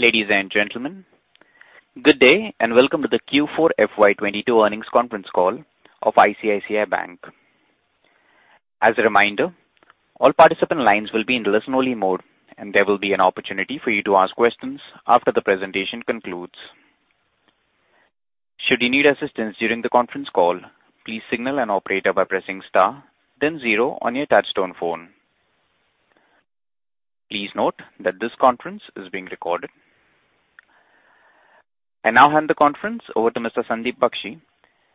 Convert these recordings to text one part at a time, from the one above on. Ladies and gentlemen, good day, and welcome to the Q4 FY 2022 Earnings Conference Call of ICICI Bank. As a reminder, all participant lines will be in listen-only mode, and there will be an opportunity for you to ask questions after the presentation concludes. Should you need assistance during the conference call, please signal an operator by pressing star then zero on your touchtone phone. Please note that this conference is being recorded. I now hand the conference over to Mr. Sandeep Bakhshi,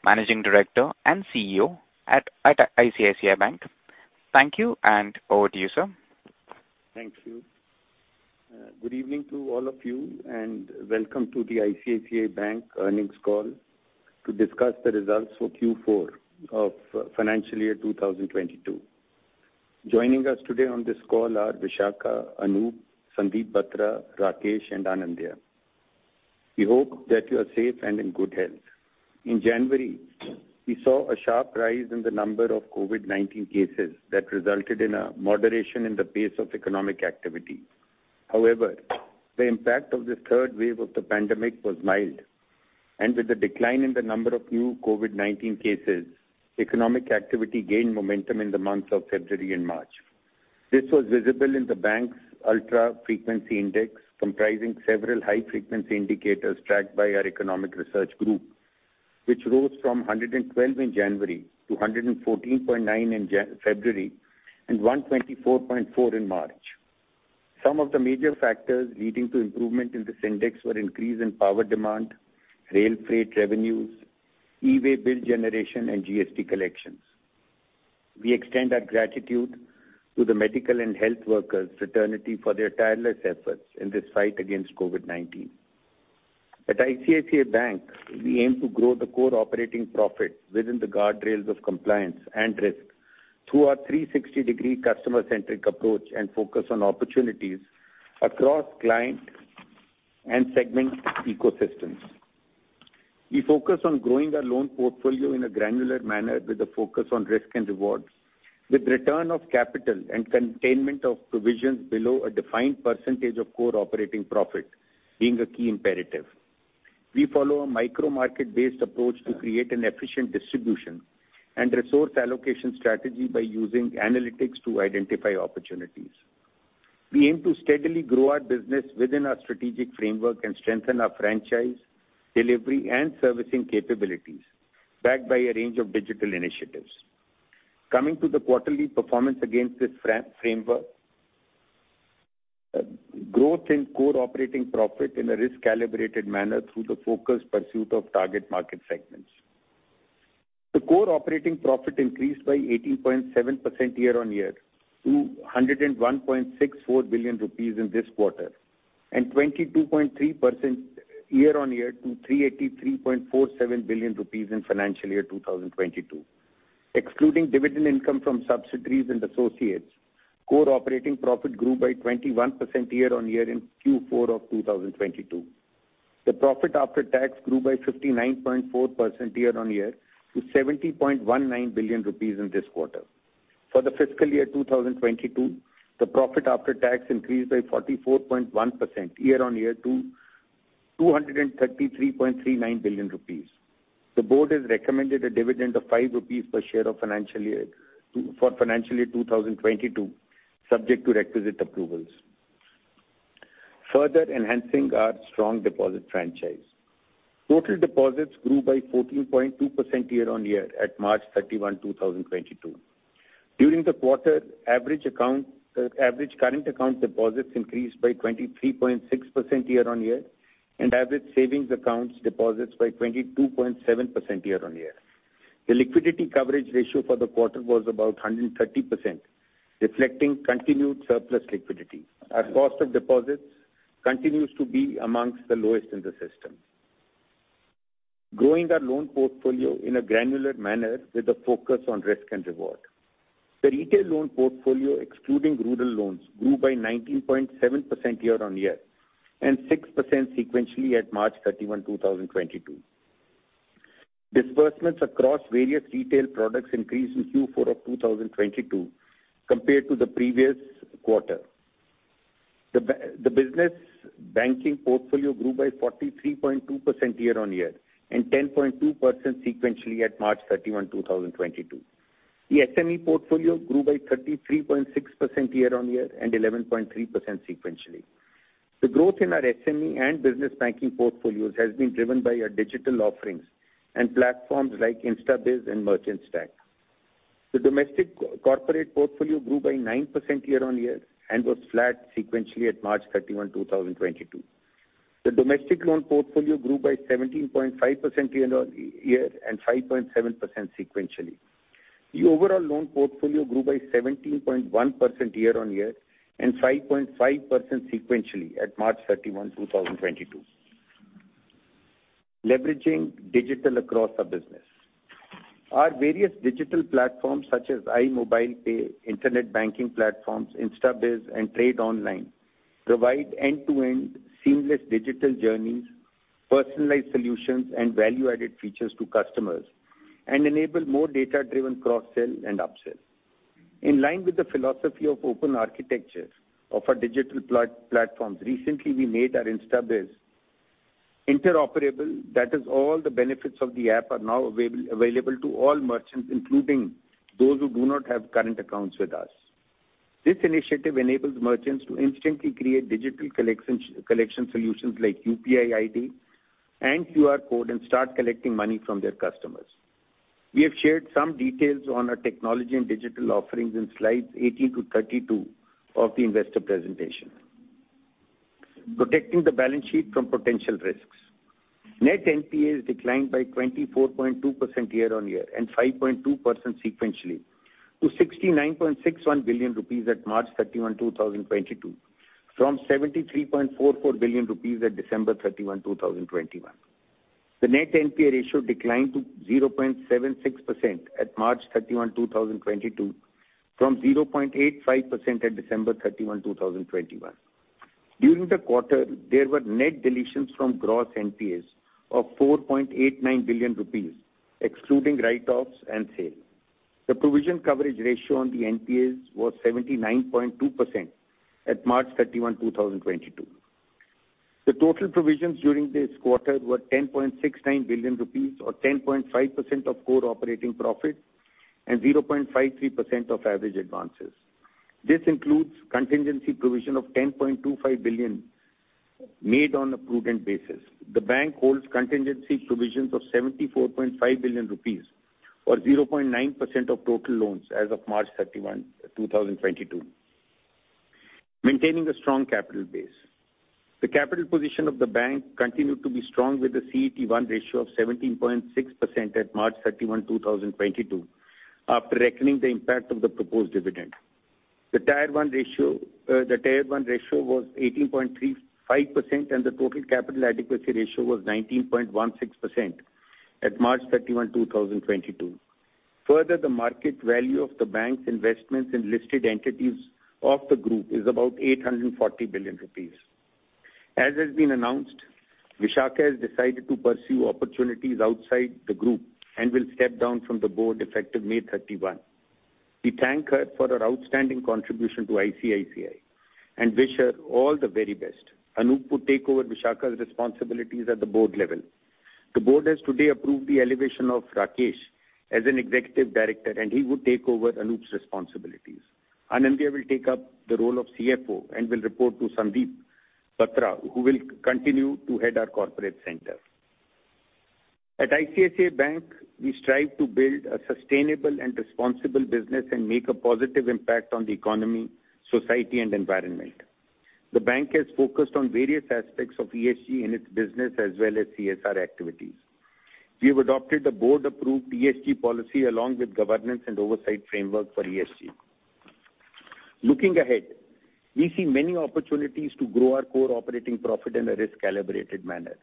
Managing Director and CEO at ICICI Bank. Thank you, and over to you, sir. Thank you. Good evening to all of you, and welcome to the ICICI Bank earnings call to discuss the results for Q4 of financial year 2022. Joining us today on this call are Vishakha, Anup, Sandeep Batra, Rakesh, and Anindya. We hope that you are safe and in good health. In January, we saw a sharp rise in the number of COVID-19 cases that resulted in a moderation in the pace of economic activity. However, the impact of this third wave of the pandemic was mild, and with the decline in the number of new COVID-19 cases, economic activity gained momentum in the months of February and March. This was visible in the bank's ultra-frequency index, comprising several high-frequency indicators tracked by our economic research group, which rose from 112 in January to 114.9 in February and 124.4 in March. Some of the major factors leading to improvement in this index were increase in power demand, rail freight revenues, e-way bill generation, and GST collections. We extend our gratitude to the medical and health workers fraternity for their tireless efforts in this fight against COVID-19. At ICICI Bank, we aim to grow the core operating profit within the guardrails of compliance and risk through our 360-degree customer-centric approach and focus on opportunities across client and segment ecosystems. We focus on growing our loan portfolio in a granular manner with a focus on risk and rewards, with return of capital and containment of provisions below a defined percentage of core operating profit being a key imperative. We follow a micro market-based approach to create an efficient distribution and resource allocation strategy by using analytics to identify opportunities. We aim to steadily grow our business within our strategic framework and strengthen our franchise, delivery, and servicing capabilities, backed by a range of digital initiatives. Coming to the quarterly performance against this framework, growth in core operating profit in a risk-calibrated manner through the focused pursuit of target market segments. The core operating profit increased by 18.7% year-on-year to 101.64 billion rupees in this quarter, and 22.3% year-on-year to 383.47 billion rupees in financial year 2022. Excluding dividend income from subsidiaries and associates, core operating profit grew by 21% year-on-year in Q4 of 2022. The profit after tax grew by 59.4% year-on-year to 70.19 billion rupees in this quarter. For the fiscal year 2022, the profit after tax increased by 44.1% year-on-year to 233.39 billion rupees. The board has recommended a dividend of 5 rupees per share for financial year 2022, subject to requisite approvals. Further enhancing our strong deposit franchise. Total deposits grew by 14.2% year-on-year at March 31, 2022. During the quarter, average current account deposits increased by 23.6% year-on-year and average savings accounts deposits by 22.7% year-on-year. The liquidity coverage ratio for the quarter was about 130%, reflecting continued surplus liquidity. Our cost of deposits continues to be among the lowest in the system. Growing our loan portfolio in a granular manner with a focus on risk and reward. The retail loan portfolio, excluding rural loans, grew by 19.7% year-on-year and 6% sequentially at March 31, 2022. Disbursement across various retail products increased in Q4 of 2022 compared to the previous quarter. The business banking portfolio grew by 43.2% year-on-year and 10.2% sequentially at March 31, 2022. The SME portfolio grew by 33.6% year-on-year and 11.3% sequentially. The growth in our SME and business banking portfolios has been driven by our digital offerings and platforms like InstaBIZ and Merchant Stack. The domestic corporate portfolio grew by 9% year-on-year and was flat sequentially at March 31, 2022. The domestic loan portfolio grew by 17.5% year-on-year and 5.7% sequentially. The overall loan portfolio grew by 17.1% year-on-year and 5.5% sequentially at March 31, 2022. Leveraging digital across our business. Our various digital platforms, such as iMobile Pay, internet banking platforms, InstaBIZ, and Trade Online, provide end-to-end seamless digital journeys, personalized solutions and value-added features to customers, and enable more data-driven cross-sell and up-sell. In line with the philosophy of open architecture of our digital platforms, recently, we made our InstaBIZ interoperable. That is, all the benefits of the app are now available to all merchants, including those who do not have current accounts with us. This initiative enables merchants to instantly create digital collection solutions like UPI ID and QR code, and start collecting money from their customers. We have shared some details on our technology and digital offerings in slides 18-32 of the investor presentation. Protecting the balance sheet from potential risks. Net NPAs declined by 24.2% year-on-year and 5.2% sequentially, to 69.61 billion rupees at March 31, 2022, from 73.44 billion rupees at December 31, 2021. The net NPA ratio declined to 0.76% at March 31, 2022, from 0.85% at December 31, 2021. During the quarter, there were net deletions from gross NPAs of 4.89 billion rupees excluding write-offs and sale. The provision coverage ratio on the NPAs was 79.2% at March 31, 2022. The total provisions during this quarter were 10.69 billion rupees or 10.5% of core operating profit and 0.53% of average advances. This includes contingency provision of 10.25 billion made on a prudent basis. The bank holds contingency provisions of 74.5 billion rupees or 0.9% of total loans as of March 31, 2022. Maintaining a strong capital base, the capital position of the bank continued to be strong with the CET1 ratio of 17.6% at March 31, 2022, after reckoning the impact of the proposed dividend. The Tier 1 ratio was 18.35%, and the total capital adequacy ratio was 19.16% at March 31, 2022. Further, the market value of the bank's investments in listed entities of the group is about 840 billion rupees. As has been announced, Vishakha has decided to pursue opportunities outside the group and will step down from the board effective May 31. We thank her for her outstanding contribution to ICICI and wish her all the very best. Anup will take over Vishakha's responsibilities at the board level. The board has today approved the elevation of Rakesh as an Executive Director, and he will take over Anup's responsibilities. Anindya will take up the role of CFO and will report to Sandeep Batra, who will continue to head our corporate center. At ICICI Bank, we strive to build a sustainable and responsible business and make a positive impact on the economy, society, and environment. The bank has focused on various aspects of ESG in its business as well as CSR activities. We have adopted a board-approved ESG policy along with governance and oversight framework for ESG. Looking ahead, we see many opportunities to grow our core operating profit in a risk-calibrated manner.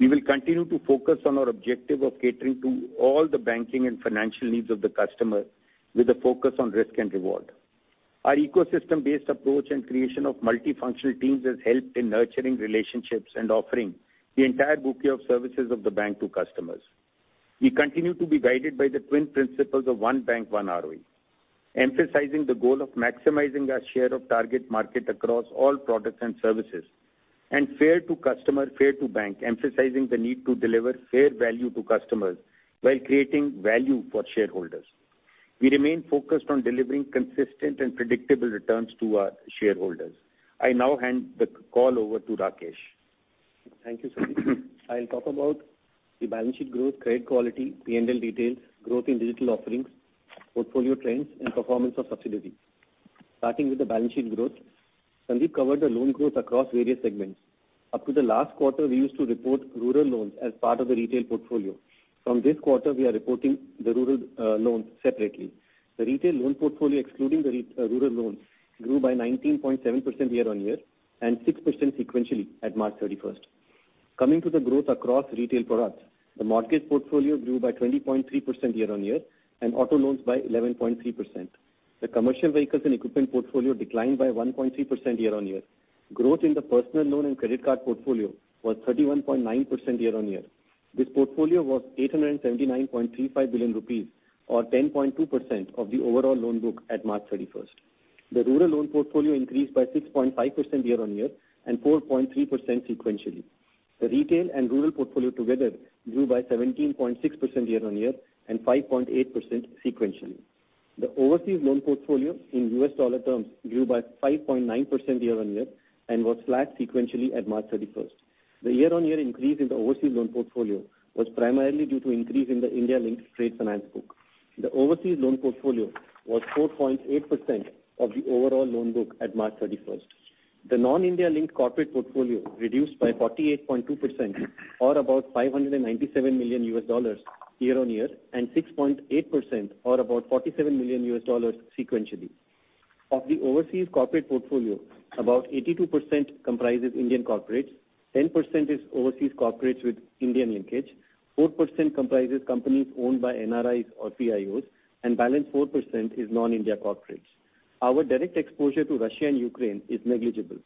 We will continue to focus on our objective of catering to all the banking and financial needs of the customer with a focus on risk and reward. Our ecosystem-based approach and creation of multifunctional teams has helped in nurturing relationships and offering the entire bouquet of services of the bank to customers. We continue to be guided by the twin principles of one bank, one ROE, emphasizing the goal of maximizing our share of target market across all products and services, and fair to customer, fair to bank, emphasizing the need to deliver fair value to customers while creating value for shareholders. We remain focused on delivering consistent and predictable returns to our shareholders. I now hand the call over to Rakesh. Thank you, Sandeep. I'll talk about the balance sheet growth, credit quality, P&L details, growth in digital offerings, portfolio trends, and performance of subsidiaries. Starting with the balance sheet growth, Sandeep covered the loan growth across various segments. Up to the last quarter, we used to report rural loans as part of the retail portfolio. From this quarter, we are reporting the rural loans separately. The retail loan portfolio, excluding the rural loans, grew by 19.7% year-over-year and 6% sequentially at March 31st. Coming to the growth across retail products, the mortgage portfolio grew by 20.3% year-over-year and auto loans by 11.3%. The commercial vehicles and equipment portfolio declined by 1.3% year-over-year. Growth in the personal loan and credit card portfolio was 31.9% year-over-year. This portfolio was 879.35 billion rupees or 10.2% of the overall loan book at March 31st. The rural loan portfolio increased by 6.5% year-on-year and 4.3% sequentially. The retail and rural portfolio together grew by 17.6% year-on-year and 5.8% sequentially. The overseas loan portfolio in U.S. dollar terms grew by 5.9% year-on-year and was flat sequentially at March 31st. The year-on-year increase in the overseas loan portfolio was primarily due to increase in the India-linked trade finance book. The overseas loan portfolio was 4.8% of the overall loan book at March 31st. The non-India linked corporate portfolio reduced by 48.2% or about $597 million year-on-year, and 6.8% or about $47 million sequentially. Of the overseas corporate portfolio, about 82% comprises Indian corporates, 10% is overseas corporates with Indian linkage, 4% comprises companies owned by NRIs or PIOs, and balance 4% is non-India corporates. Our direct exposure to Russia and Ukraine is negligible.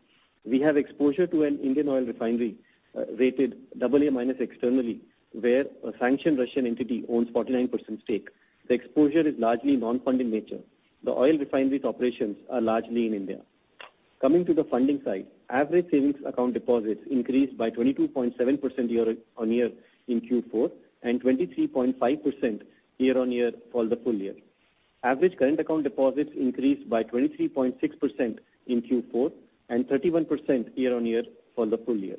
We have exposure to an Indian oil refinery, rated AA- externally, where a sanctioned Russian entity owns 49% stake. The exposure is largely non-funding nature. The oil refinery's operations are largely in India. Coming to the funding side, average savings account deposits increased by 22.7% year-on-year in Q4 and 23.5% year-on-year for the full year. Average current account deposits increased by 23.6% in Q4 and 31% year-on-year for the full year.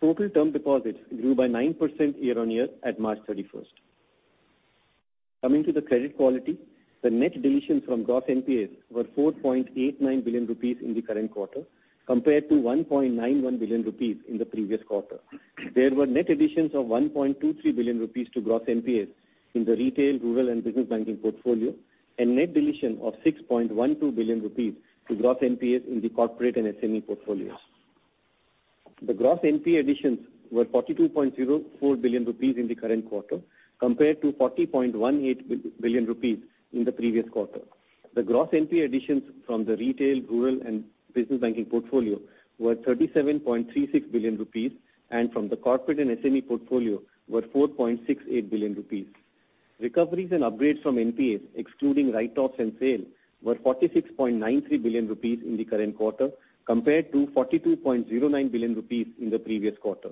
Total term deposits grew by 9% year-on-year at March 31st. Coming to the credit quality, the net deletions from gross NPAs were 4.89 billion rupees in the current quarter compared to 1.91 billion rupees in the previous quarter. There were net additions of 1.23 billion rupees to gross NPAs in the retail, rural, and business banking portfolio and net deletion of 6.12 billion rupees to gross NPAs in the corporate and SME portfolios. The gross NPA additions were 42.04 billion rupees in the current quarter compared to 40.18 billion rupees in the previous quarter. The gross NPA additions from the retail, rural, and business banking portfolio were 37.36 billion rupees, and from the corporate and SME portfolio were 4.68 billion rupees. Recoveries and upgrades from NPAs excluding write-offs and sale were 46.93 billion rupees in the current quarter compared to 42.09 billion rupees in the previous quarter.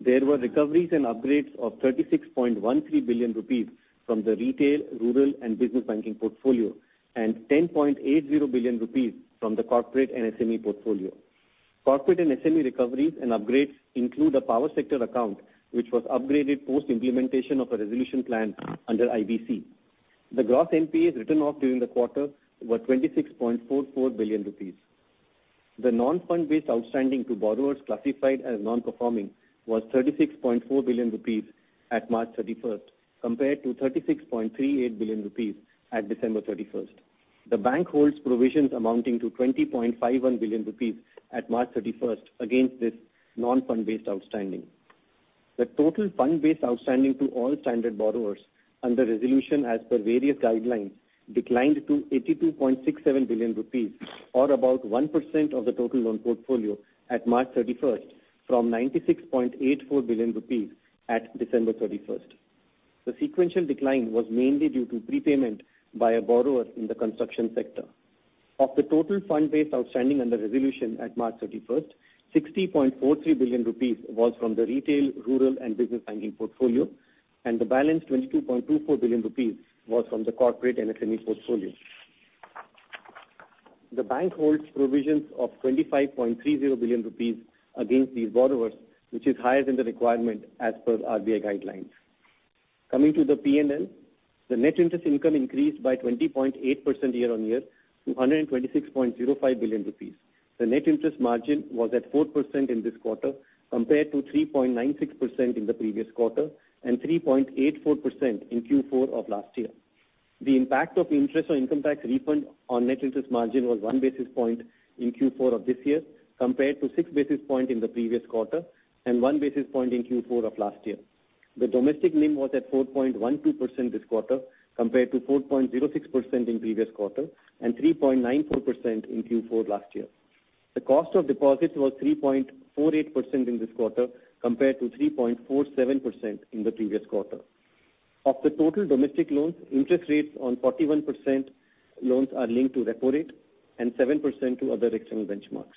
There were recoveries and upgrades of 36.13 billion rupees from the retail, rural and business banking portfolio and 10.80 billion rupees from the corporate and SME portfolio. Corporate and SME recoveries and upgrades include a power sector account, which was upgraded post-implementation of a resolution plan under IBC. The gross NPAs written off during the quarter were 26.44 billion rupees. The non-fund-based outstanding to borrowers classified as non-performing was 36.4 billion rupees at March 31st, compared to 36.38 billion rupees at December 31st. The bank holds provisions amounting to 20.51 billion rupees at March 31st against this non-fund-based outstanding. The total fund-based outstanding to all standard borrowers under resolution as per various guidelines declined to 82.67 billion rupees or about 1% of the total loan portfolio at March 31st from 96.84 billion rupees at December 31st. The sequential decline was mainly due to prepayment by a borrower in the construction sector. Of the total fund-based outstanding under resolution at March 31st, 60.43 billion rupees was from the retail, rural, and business banking portfolio, and the balance, 22.24 billion rupees, was from the corporate and SME portfolio. The bank holds provisions of 25.30 billion rupees against these borrowers, which is higher than the requirement as per RBI guidelines. Coming to the P&L, the net interest income increased by 20.8% year-on-year to 126.05 billion rupees. The net interest margin was at 4% in this quarter compared to 3.96% in the previous quarter and 3.84% in Q4 of last year. The impact of interest on income tax refund on net interest margin was 1 basis point in Q4 of this year compared to six basis point in the previous quarter and 1 basis point in Q4 of last year. The domestic NIM was at 4.12% this quarter compared to 4.06% in previous quarter and 3.94% in Q4 last year. The cost of deposits was 3.48% in this quarter compared to 3.47% in the previous quarter. Of the total domestic loans, interest rates on 41% loans are linked to repo rate and 7% to other external benchmarks.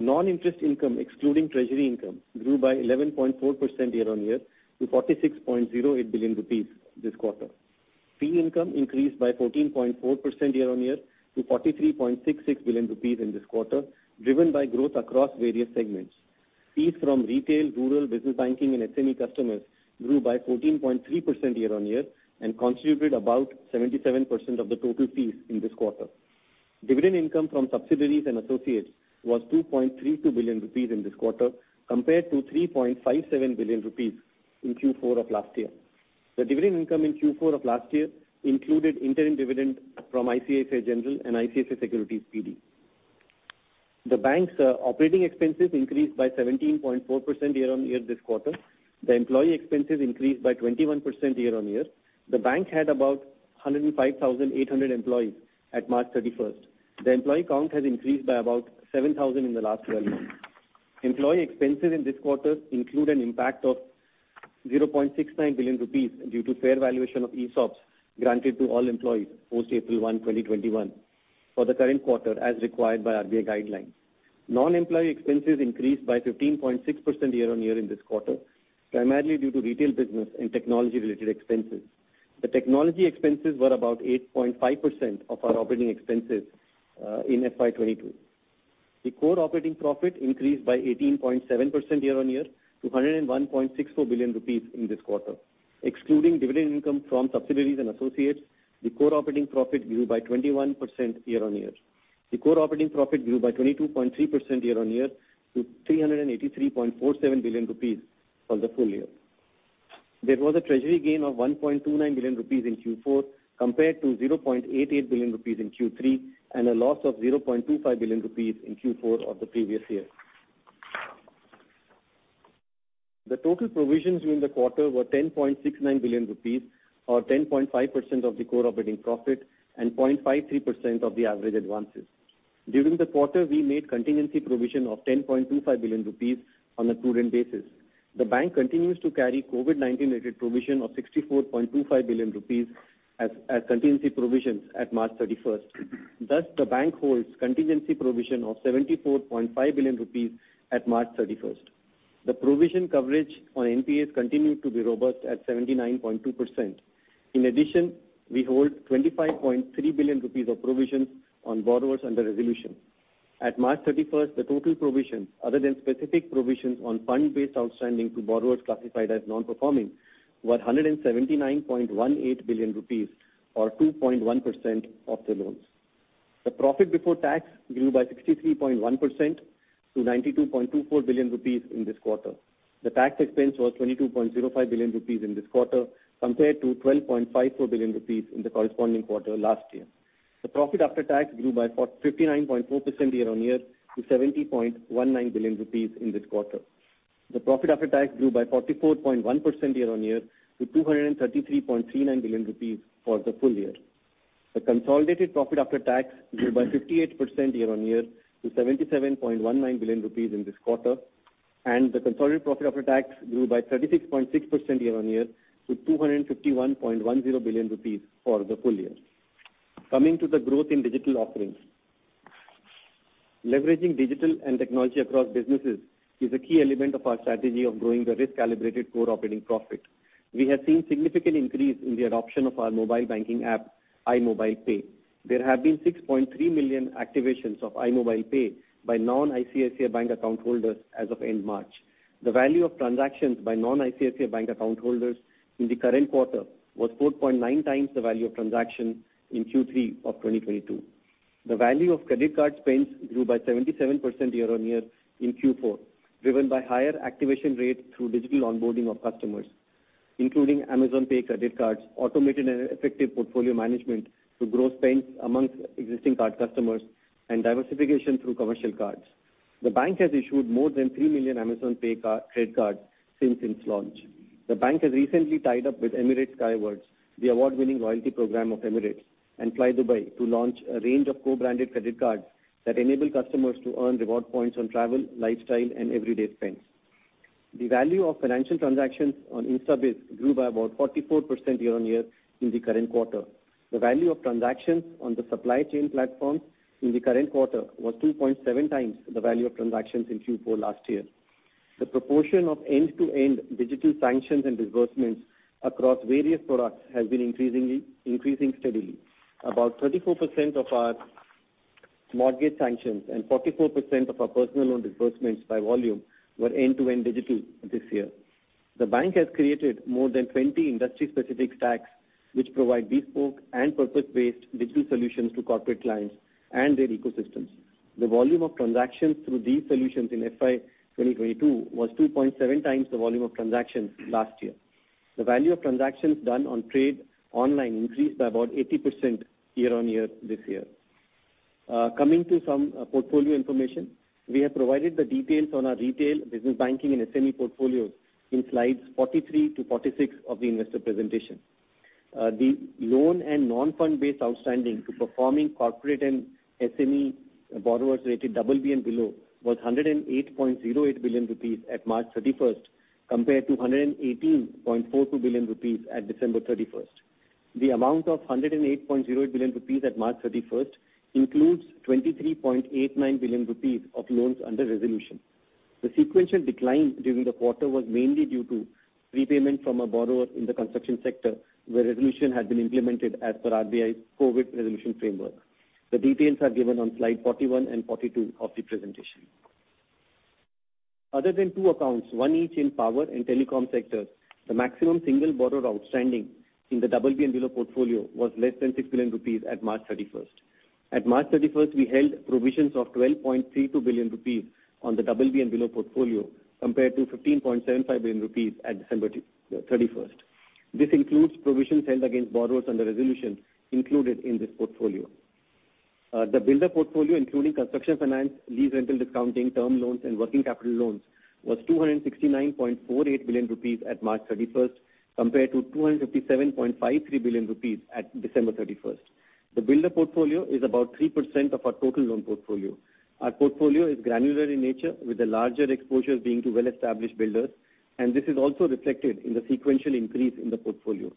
Non-interest income, excluding treasury income, grew by 11.4% year-on-year to 46.08 billion rupees this quarter. Fee income increased by 14.4% year-on-year to 43.66 billion rupees in this quarter, driven by growth across various segments. Fees from retail, rural, business banking and SME customers grew by 14.3% year-on-year and contributed about 77% of the total fees in this quarter. Dividend income from subsidiaries and associates was 2.32 billion rupees in this quarter compared to 3.57 billion rupees in Q4 of last year. The dividend income in Q4 of last year included interim dividend from ICICI General and ICICI Securities PD. The bank's operating expenses increased by 17.4% year-on-year this quarter. The employee expenses increased by 21% year-on-year. The bank had about 105,800 employees at March 31st. The employee count has increased by about 7,000 in the last 12 months. Employee expenses in this quarter include an impact of 0.69 billion rupees due to fair valuation of ESOPs granted to all employees post April 1, 2021 for the current quarter as required by RBI guidelines. Non-employee expenses increased by 15.6% year-on-year in this quarter, primarily due to retail business and technology-related expenses. The technology expenses were about 8.5% of our operating expenses in FY 2022. The core operating profit increased by 18.7% year-on-year to 101.64 billion rupees in this quarter. Excluding dividend income from subsidiaries and associates, the core operating profit grew by 21% year-on-year. The core operating profit grew by 22.3% year-on-year to 383.47 billion rupees for the full year. There was a treasury gain of 1.29 billion rupees in Q4 compared to 0.88 billion rupees in Q3, and a loss of 0.25 billion rupees in Q4 of the previous year. The total provisions during the quarter were 10.69 billion rupees or 10.5% of the core operating profit and 0.53% of the average advances. During the quarter, we made contingency provision of 10.25 billion rupees on a prudent basis. The bank continues to carry COVID-19 related provision of 64.25 billion rupees as contingency provisions at March 31st. Thus, the bank holds contingency provision of 74.5 billion rupees at March 31st. The provision coverage on NPAs continued to be robust at 79.2%. In addition, we hold 25.3 billion rupees of provisions on borrowers under resolution. At March 31st, the total provisions other than specific provisions on fund-based outstanding to borrowers classified as non-performing were 179.18 billion rupees or 2.1% of the loans. The profit before tax grew by 63.1% to 92.24 billion rupees in this quarter. The tax expense was 22.05 billion rupees in this quarter, compared to 12.54 billion rupees in the corresponding quarter last year. The profit after tax grew by fifty-nine point four percent year-on-year to 70.19 billion rupees in this quarter. The profit after tax grew by 44.1% year-on-year to 233.39 billion rupees for the full year. The consolidated profit after tax grew by 58% year-on-year to 77.19 billion rupees in this quarter, and the consolidated profit after tax grew by 36.6% year-on-year to 251.10 billion rupees for the full year. Coming to the growth in digital offerings. Leveraging digital and technology across businesses is a key element of our strategy of growing the risk-calibrated core operating profit. We have seen significant increase in the adoption of our mobile banking app, iMobile Pay. There have been 6.3 million activations of iMobile Pay by non-ICICI Bank account holders as of end March. The value of transactions by non-ICICI Bank account holders in the current quarter was 4.9x the value of transaction in Q3 of 2022. The value of credit card spends grew by 77% year-on-year in Q4, driven by higher activation rate through digital onboarding of customers, including Amazon Pay credit cards, automated and effective portfolio management to grow spends amongst existing card customers, and diversification through commercial cards. The bank has issued more than 3 million Amazon Pay credit cards since its launch. The bank has recently tied up with Emirates Skywards, the award-winning loyalty program of Emirates and flydubai, to launch a range of co-branded credit cards that enable customers to earn reward points on travel, lifestyle, and everyday spends. The value of financial transactions on InstaBIZ grew by about 44% year-on-year in the current quarter. The value of transactions on the supply chain platform in the current quarter was 2.7x the value of transactions in Q4 last year. The proportion of end-to-end digital sanctions and disbursements across various products has been increasing steadily. About 34% of our mortgage sanctions and 44% of our personal loan disbursements by volume were end-to-end digital this year. The bank has created more than 20 industry-specific stacks, which provide bespoke and purpose-based digital solutions to corporate clients and their ecosystems. The volume of transactions through these solutions in FY 2022 was 2.7x the volume of transactions last year. The value of transactions done on Trade Online increased by about 80% year-on-year this year. Coming to some portfolio information. We have provided the details on our retail business banking and SME portfolio in slides 43-46 of the investor presentation. The loan and non-fund-based outstanding to performing corporate and SME borrowers rated BB and below was 108.08 billion rupees at March 31st, compared to 118.42 billion rupees at December 31st. The amount of 108.08 billion rupees at March 31st includes 23.89 billion rupees of loans under resolution. The sequential decline during the quarter was mainly due to prepayment from a borrower in the construction sector, where resolution had been implemented as per RBI's COVID resolution framework. The details are given on slide 41 and 42 of the presentation. Other than two accounts, one each in power and telecom sector, the maximum single borrower outstanding in the BB and below portfolio was less than 6 billion rupees at March 31st. At March 31st, we held provisions of 12.32 billion rupees on the BB and below portfolio, compared to 15.75 billion rupees at December 31st. This includes provisions held against borrowers under resolution included in this portfolio. The builder portfolio, including construction finance, lease rental discounting, term loans, and working capital loans, was 269.48 billion rupees at March 31st, compared to 257.53 billion rupees at December 31st. The builder portfolio is about 3% of our total loan portfolio. Our portfolio is granular in nature, with the larger exposures being to well-established builders, and this is also reflected in the sequential increase in the portfolio.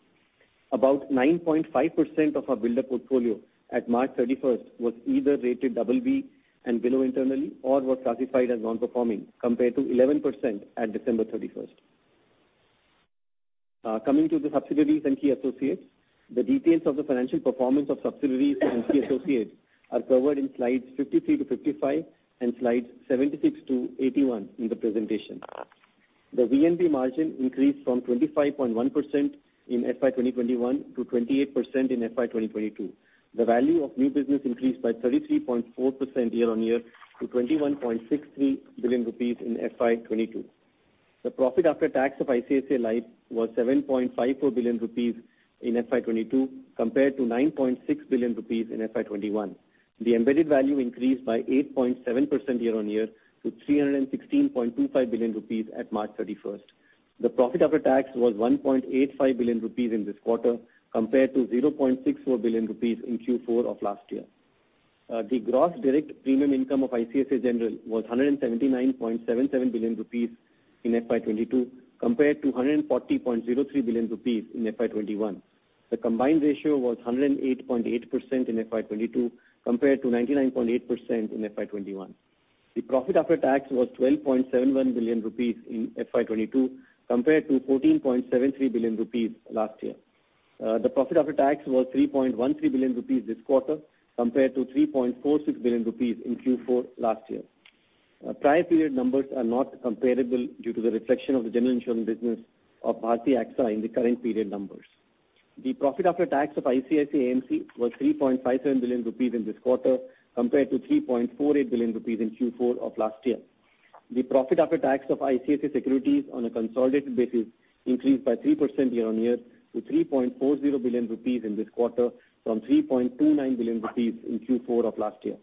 About 9.5% of our builder portfolio at March 31st was either rated BB and below internally or was classified as non-performing, compared to 11% at December 31st. Coming to the subsidiaries and key associates. The details of the financial performance of subsidiaries and key associates are covered in slides 53-55 and slides 76-81 in the presentation. The VNB margin increased from 25.1% in FY 2021 to 28% in FY 2022. The value of new business increased by 33.4% year-on-year to 21.63 billion rupees in FY 2022. The profit after tax of ICICI Life was 7.54 billion rupees in FY 2022, compared to 9.6 billion rupees in FY 2021. The embedded value increased by 8.7% year-on-year to 316.25 billion rupees at March 31st. The profit after tax was 1.85 billion rupees in this quarter, compared to 0.64 billion rupees in Q4 of last year. The gross direct premium income of ICICI General was 179.77 billion rupees in FY 2022, compared to 140.03 billion rupees in FY 2021. The combined ratio was 108.8% in FY 2022, compared to 99.8% in FY 2021. The profit after tax was 12.71 billion rupees in FY 2022, compared to 14.73 billion rupees last year. The profit after tax was 3.13 billion rupees this quarter, compared to 3.46 billion rupees in Q4 last year. Prior period numbers are not comparable due to the reflection of the general insurance business of Bharti AXA in the current period numbers. The profit after tax of ICICI AMC was 3.57 billion rupees in this quarter, compared to 3.48 billion rupees in Q4 of last year. The profit after tax of ICICI Securities on a consolidated basis increased by 3% year-on-year to 3.40 billion rupees in this quarter from 3.29 billion rupees in Q4 of last year.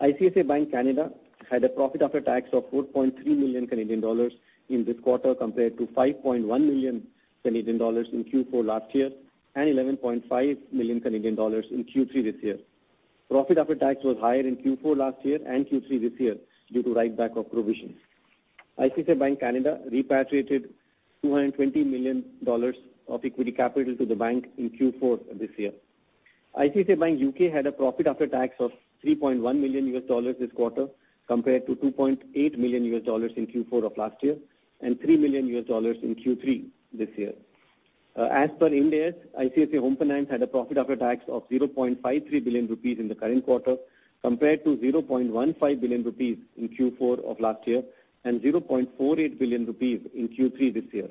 ICICI Bank Canada had a profit after tax of 4.3 million Canadian dollars in this quarter compared to 5.1 million Canadian dollars in Q4 last year and 11.5 million Canadian dollars in Q3 this year. Profit after tax was higher in Q4 last year and Q3 this year due to write back of provisions. ICICI Bank Canada repatriated 220 million dollars of equity capital to the bank in Q4 this year. ICICI Bank U.K. had a profit after tax of $3.1 million this quarter, compared to $2.8 million in Q4 of last year, and $3 million in Q3 this year. As per Ind AS, ICICI Home Finance had a profit after tax of 0.53 billion rupees in the current quarter, compared to 0.15 billion rupees in Q4 of last year and 0.48 billion rupees in Q3 this year.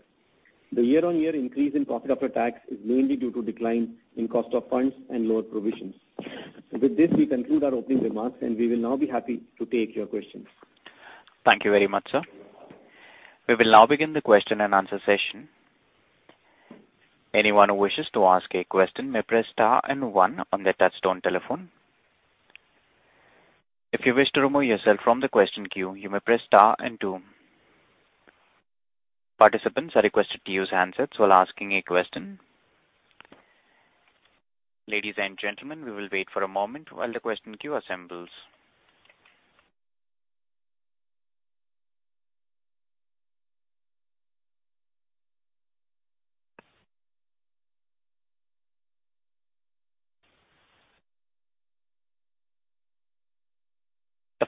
The year-on-year increase in profit after tax is mainly due to decline in cost of funds and lower provisions. With this, we conclude our opening remarks, and we will now be happy to take your questions. Thank you very much, sir. We will now begin the question and answer session. Anyone who wishes to ask a question may press star and one on their touchtone telephone. If you wish to remove yourself from the question queue, you may press star and two. Participants are requested to use handsets while asking a question. Ladies and gentlemen, we will wait for a moment while the question queue assembles.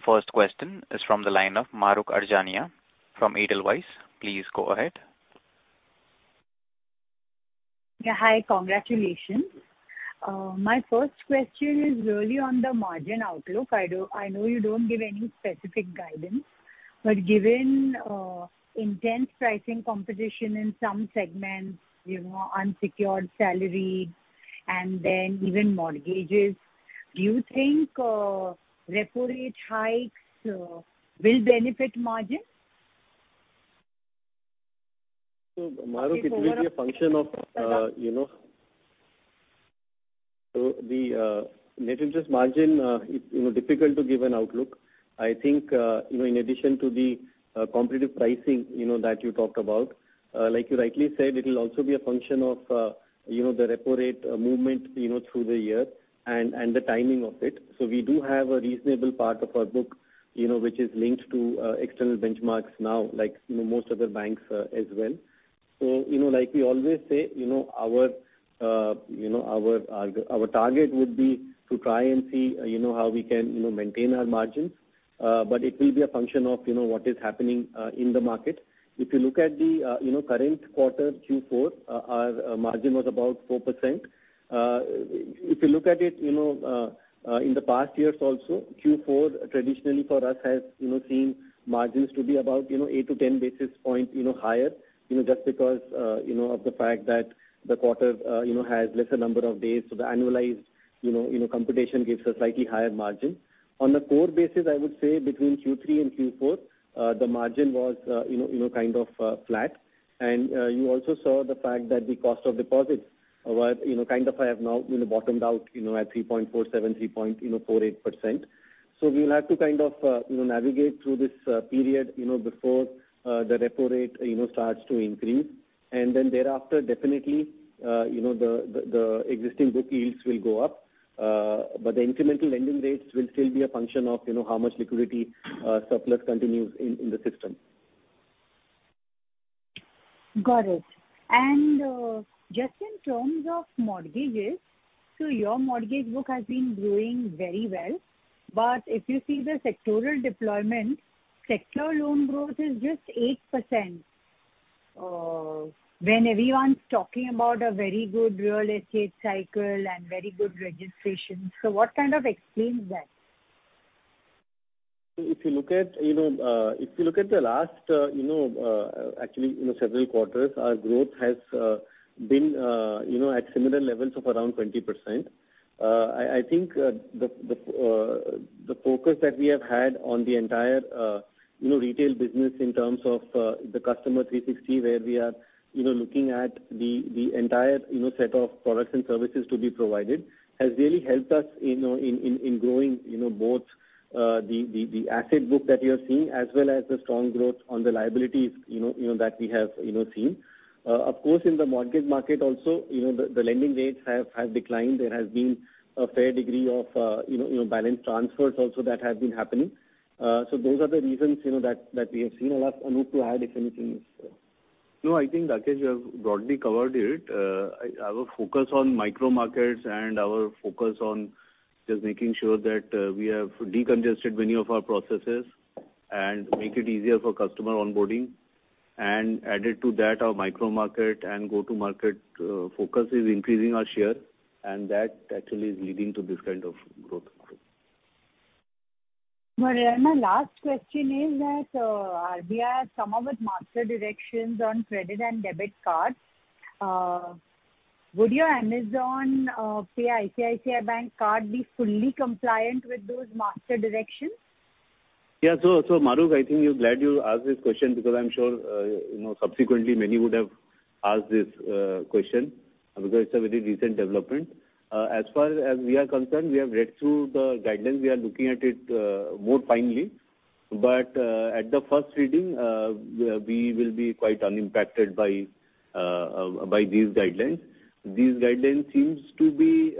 The first question is from the line of Mahrukh Adajania from Edelweiss. Please go ahead. Yeah, hi. Congratulations. My first question is really on the margin outlook. I know you don't give any specific guidance, but given intense pricing competition in some segments, you know, unsecured salary and then even mortgages, do you think repo rate hikes will benefit margin? Mahrukh, it will be a function of, you know. The net interest margin is, you know, difficult to give an outlook. I think, you know, in addition to the competitive pricing, you know, that you talked about, like you rightly said, it'll also be a function of, you know, the repo rate movement, you know, through the year and the timing of it. We do have a reasonable part of our book, you know, which is linked to external benchmarks now, like, you know, most other banks, as well. You know, like we always say, you know, our target would be to try and see, you know, how we can, you know, maintain our margins. It will be a function of, you know, what is happening in the market. If you look at the, you know, current quarter, Q4, our margin was about 4%. If you look at it, you know, in the past years also, Q4 traditionally for us has, you know, seen margins to be about, you know, 8-10 basis points, you know, higher, you know, just because, you know, of the fact that the quarter, you know, has lesser number of days. The annualized, you know, computation gives a slightly higher margin. On the core basis, I would say between Q3 and Q4, the margin was, you know, kind of flat. You also saw the fact that the cost of deposits were, you know, kind of have now, you know, bottomed out, you know, at 3.47-3.48%. We will have to kind of, you know, navigate through this period, you know, before the repo rate, you know, starts to increase. Then thereafter definitely, you know, the existing book yields will go up. But the incremental lending rates will still be a function of, you know, how much liquidity surplus continues in the system. Got it. Just in terms of mortgages, so your mortgage book has been growing very well. If you see the sectoral deployment, sector loan growth is just 8%, when everyone's talking about a very good real estate cycle and very good registration. What kind of explains that? If you look at the last, actually, you know, several quarters, our growth has been, you know, at similar levels of around 20%. I think the focus that we have had on the entire, you know, retail business in terms of the customer 360, where we are, you know, looking at the entire, you know, set of products and services to be provided has really helped us, you know, in growing, you know, both the asset book that you're seeing as well as the strong growth on the liabilities, you know, that we have, you know, seen. Of course, in the mortgage market also, you know, the lending rates have declined. There has been a fair degree of, you know, balance transfers also that have been happening. Those are the reasons, you know, that we have seen. I'll ask Anup to add if anything is. No, I think, Rakesh, you have broadly covered it. Our focus on micro markets and our focus on just making sure that we have decongested many of our processes and make it easier for customer onboarding. Added to that, our micro market and go-to market focus is increasing our share, and that actually is leading to this kind of growth model. My last question is that RBI has come up with master directions on credit and debit cards. Would your Amazon Pay ICICI Bank card be fully compliant with those master directions? Yeah. Mahrukh, I think glad you asked this question because I'm sure, you know, subsequently many would have asked this question because it's a very recent development. As far as we are concerned, we have read through the guidelines. We are looking at it more finely. At the first reading, we will be quite unimpacted by these guidelines. These guidelines seems to be,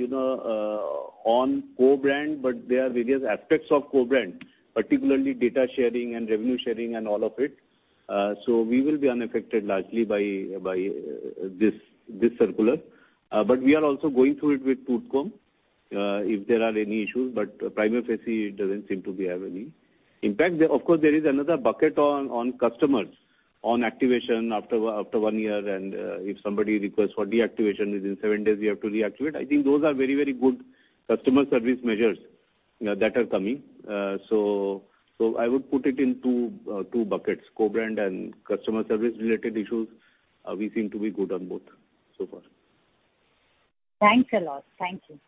you know, on co-brand, but there are various aspects of co-brand, particularly data sharing and revenue sharing and all of it. We will be unaffected largely by this circular. We are also going through it with a fine-tooth comb if there are any issues, but prima facie it doesn't seem to have any. In fact, of course, there is another bucket on customers on activation after one year and, if somebody requests for deactivation, within seven days we have to reactivate. I think those are very, very good customer service measures that are coming. I would put it in two buckets, co-brand and customer service related issues. We seem to be good on both so far. Thanks a lot. Thank you.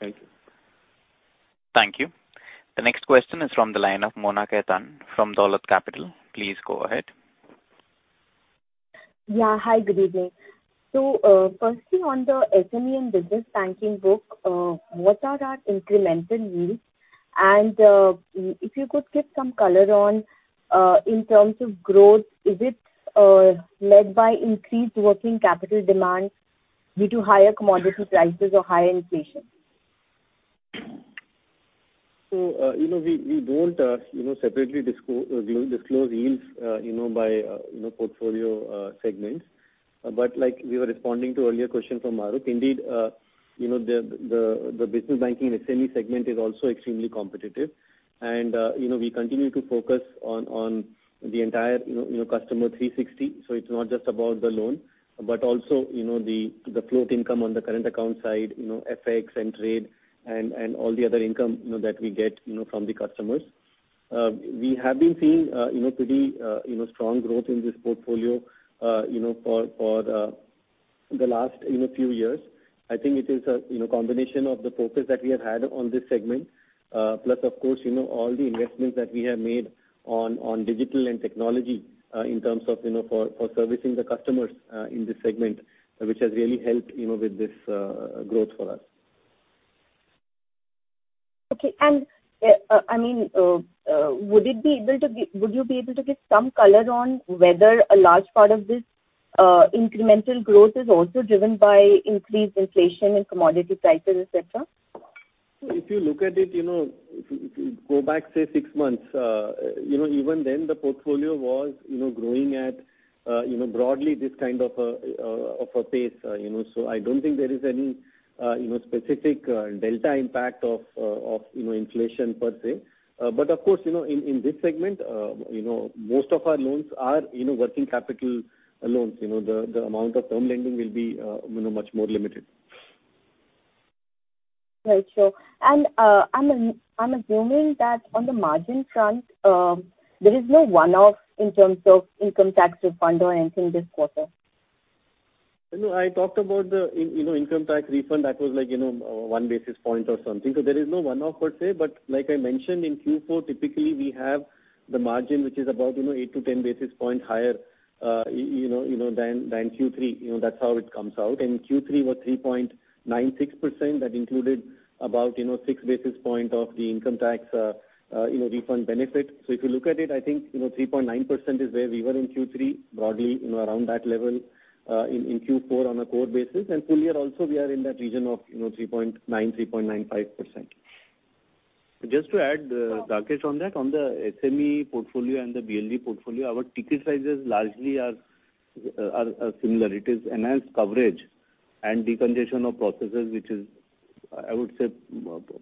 Thank you. Thank you. The next question is from the line of Mona Khetan from Dolat Capital. Please go ahead. Yeah. Hi, good evening. Firstly on the SME and business banking book, what are our incremental yields? If you could give some color on in terms of growth, is it led by increased working capital demand due to higher commodity prices or higher inflation? We don't separately disclose yields by portfolio segments. Like we were responding to earlier question from Mahrukh, indeed, the business banking and SME segment is also extremely competitive. We continue to focus on the entire customer 360, so it's not just about the loan, but also the float income on the current account side, you know, FX and trade and all the other income that we get from the customers. We have been seeing pretty strong growth in this portfolio for the last few years. I think it is a, you know, combination of the focus that we have had on this segment, plus of course, you know, all the investments that we have made on digital and technology, in terms of, you know, for servicing the customers in this segment, which has really helped, you know, with this growth for us. Okay. I mean, would you be able to give some color on whether a large part of this incremental growth is also driven by increased inflation and commodity prices, et cetera? If you look at it, you know, if you go back, say, six months, you know, even then the portfolio was, you know, growing at, you know, broadly this kind of a pace, you know. I don't think there is any, you know, specific delta impact of, you know, inflation per se. Of course, you know, in this segment, you know, most of our loans are, you know, working capital loans. You know, the amount of term lending will be, you know, much more limited. Right. Sure. I'm assuming that on the margin front, there is no one-off in terms of income tax refund or anything this quarter. You know, I talked about the income tax refund. That was like, you know, 1 basis point or something. So there is no one-off per se, but like I mentioned in Q4, typically we have the margin which is about, you know, 8-10 basis points higher, you know, than Q3. You know, that's how it comes out. In Q3 was 3.96%. That included about, you know, 6 basis points of the income tax refund benefit. So if you look at it, I think, you know, 3.9% is where we were in Q3, broadly, you know, around that level in Q4 on a core basis. Full year also we are in that region of, you know, 3.9-3.95%. Just to add, Rakesh, on that. On the SME portfolio and the BB portfolio, our ticket sizes largely are similar. It is enhanced coverage and decongestion of processes, which is, I would say,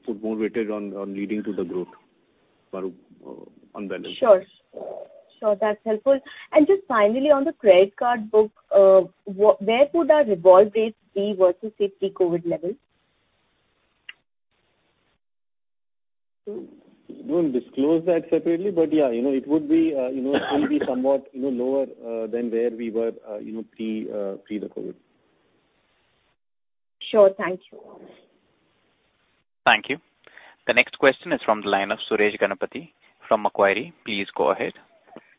put more weightage on leading to the growth on the balance sheet. Sure. That's helpful. Just finally on the credit card book, where could our revolve rates be versus pre-COVID levels? We won't disclose that separately, but yeah, you know, it would be, you know, it will be somewhat, you know, lower than where we were, you know, pre-COVID. Sure. Thank you. Thank you. The next question is from the line of Suresh Ganapathy from Macquarie. Please go ahead.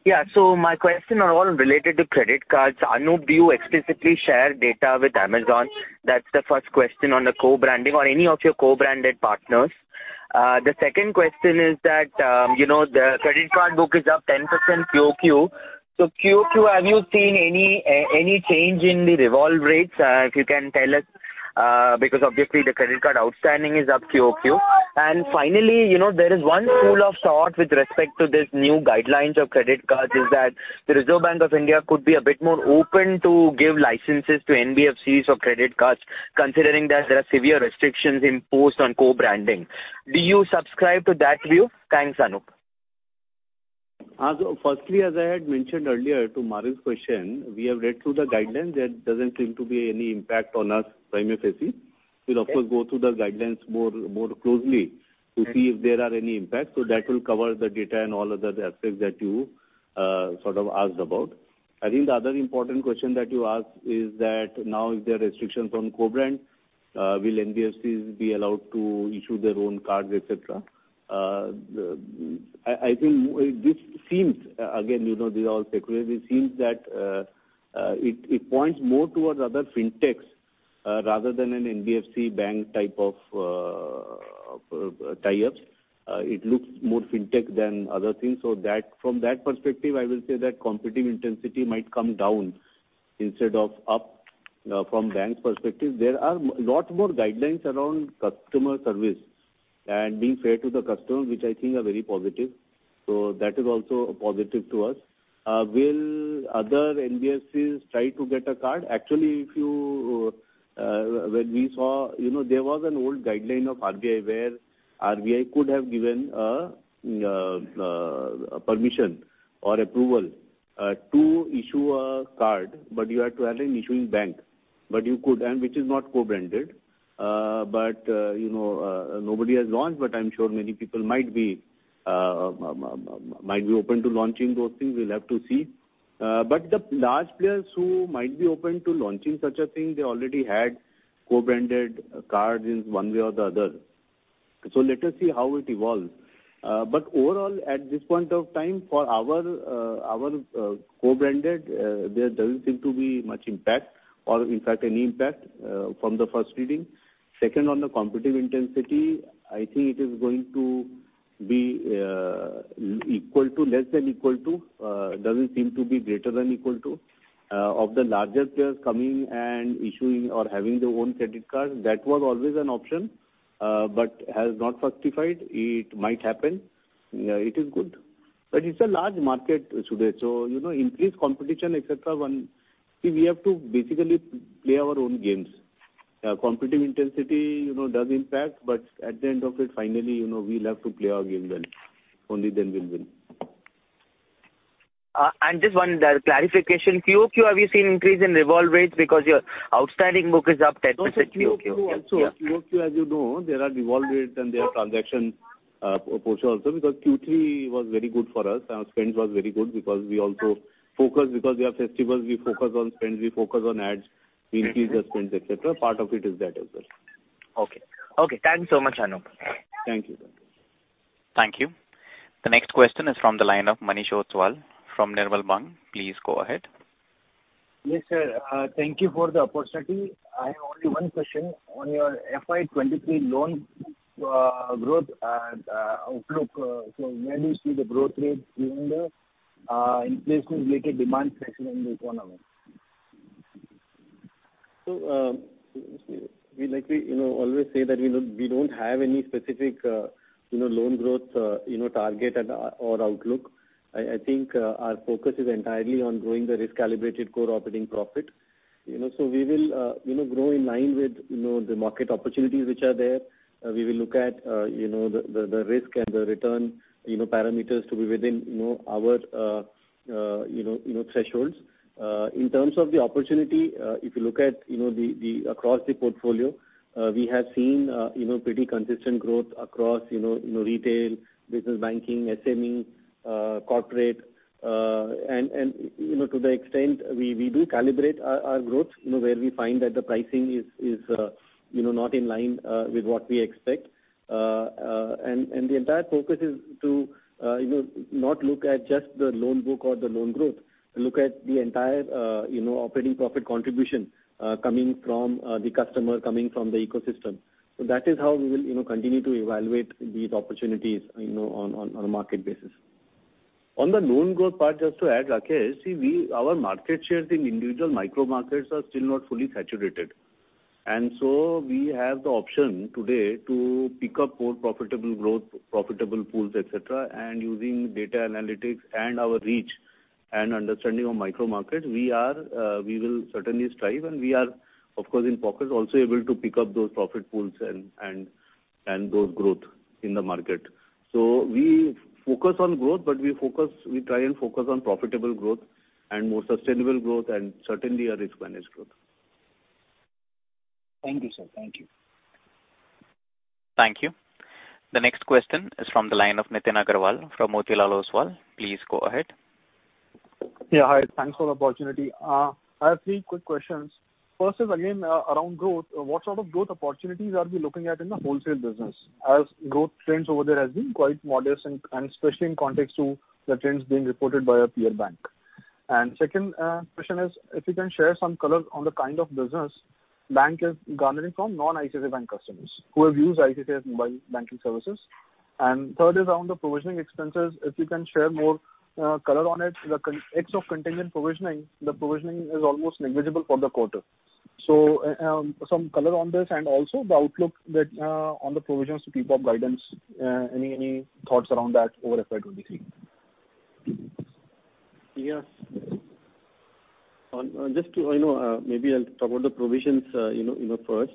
My questions are all related to credit cards. Anup, do you explicitly share data with Amazon? That's the first question on the co-branding or any of your co-branded partners. The second question is that, you know, the credit card book is up 10% QOQ. QOQ, have you seen any change in the revolve rates? If you can tell us, because obviously the credit card outstanding is up QOQ. Finally, you know, there is one school of thought with respect to this new guidelines of credit cards is that the Reserve Bank of India could be a bit more open to give licenses to NBFCs for credit cards, considering that there are severe restrictions imposed on co-branding. Do you subscribe to that view? Thanks, Anup. Firstly, as I had mentioned earlier to Mahrukh's question, we have read through the guidelines. There doesn't seem to be any impact on us prima facie. We'll of course go through the guidelines more closely to see if there are any impacts. That will cover the data and all other aspects that you sort of asked about. I think the other important question that you asked is that now if there are restrictions on co-brand, will NBFCs be allowed to issue their own cards, et cetera? I think this seems, again, you know, these are all speculative. It seems that it points more towards other fintechs rather than an NBFC bank type of tie-ups. It looks more fintech than other things. From that perspective, I will say that competitive intensity might come down instead of up, from banks' perspective. There are a lot more guidelines around customer service and being fair to the customer, which I think are very positive. That is also a positive to us. Will other NBFCs try to get a card? Actually, if you, when we saw, you know, there was an old guideline of RBI where RBI could have given a permission or approval to issue a card, but you have to have an issuing bank. But you could, and which is not co-branded. But you know, nobody has launched, but I'm sure many people might be open to launching those things. We'll have to see. The large players who might be open to launching such a thing, they already had co-branded cards in one way or the other. Let us see how it evolves. Overall, at this point of time, for our co-branded, there doesn't seem to be much impact or in fact any impact from the first reading. Second, on the competitive intensity, I think it is going to be less than or equal to, doesn't seem to be greater than or equal to, of the larger players coming and issuing or having their own credit cards. That was always an option, but has not materialized. It might happen. It is good. It's a large market, Suresh. You know, increased competition, et cetera, you see, we have to basically play our own games. Competitive intensity, you know, does impact, but at the end of it, finally, you know, we'll have to play our game well. Only then we'll win. Just one other clarification. QOQ, have you seen increase in revolve rates because your outstanding book is up 10% QOQ? No. QOQ also. QOQ, as you know, there are revolve rates and there are transaction portion also because Q3 was very good for us. Our spends was very good because we also focus, because we have festivals, we focus on spends, we focus on ads, we increase the spends, et cetera. Part of it is that as well. Okay, thanks so much, Anup. Thank you. Thank you. The next question is from the line of Manish Ostwal from Nirmal Bang. Please go ahead. Yes, sir. Thank you for the opportunity. I have only one question. On your FY 2023 loan growth outlook, where do you see the growth rate given the inflation-related demand pressure in the economy? We likely, you know, always say that we don't have any specific, you know, loan growth, you know, target and or outlook. I think our focus is entirely on growing the risk-calibrated core operating profit. You know, we will, you know, grow in line with, you know, the market opportunities which are there. We will look at, you know, the risk and the return, you know, parameters to be within, you know, our, you know, thresholds. In terms of the opportunity, if you look at, you know, the across the portfolio, we have seen, you know, pretty consistent growth across, you know, retail, business banking, SME, corporate, and, you know, to the extent we do calibrate our growth, you know, where we find that the pricing is, you know, not in line with what we expect. The entire focus is to, you know, not look at just the loan book or the loan growth, look at the entire, you know, operating profit contribution coming from the customer, coming from the ecosystem. That is how we will, you know, continue to evaluate these opportunities, you know, on a market basis. On the loan growth part, just to add, Rakesh, see we, our market shares in individual micro markets are still not fully saturated. We have the option today to pick up more profitable growth, profitable pools, et cetera, and using data analytics and our reach and understanding of micro markets, we are, we will certainly strive, and we are of course in pockets also able to pick up those profit pools and those growth in the market. We focus on growth, but we focus, we try and focus on profitable growth and more sustainable growth and certainly a risk managed growth. Thank you, sir. Thank you. Thank you. The next question is from the line of Nitin Aggarwal from Motilal Oswal. Please go ahead. Yeah, hi. Thanks for the opportunity. I have three quick questions. First is again around growth. What sort of growth opportunities are we looking at in the wholesale business, as growth trends over there has been quite modest and especially in context to the trends being reported by a peer bank? Second, question is if you can share some color on the kind of business the bank is garnering from non-ICICI Bank customers who have used ICICI mobile banking services. Third is around the provisioning expenses. If you can share more color on it, the context of contingent provisioning, the provisioning is almost negligible for the quarter. Some color on this and also the outlook that on the provisions to keep up guidance. Any thoughts around that over FY 2023? Yes. On just to, you know, maybe I'll talk about the provisions, you know, first.